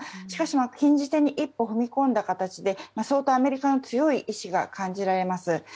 しかし、禁じ手に一歩踏み込んだ形で相当アメリカの強い意志が感じられます。